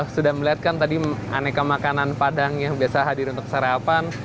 sudah melihatkan tadi aneka makanan padang yang biasa hadir untuk sarapan